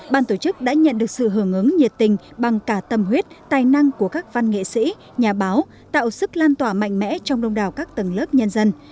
ban tổ chức đã nhận được sự hưởng ứng nhiệt tình bằng cả tâm huyết tài năng của các văn nghệ sĩ nhà báo tạo sức lan tỏa mạnh mẽ trong đông đảo các tầng lớp nhân dân